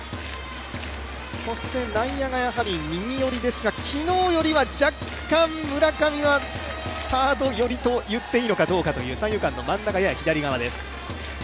内野が右寄りですが、昨日よりは若干村上はサード寄りと言っていいのかどうかという三遊間のやや真ん中左側です。